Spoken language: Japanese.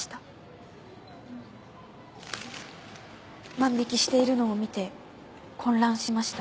万引しているのを見て混乱しました。